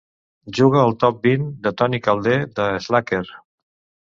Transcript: Juga el top-vint de Tony Calder de Slacker.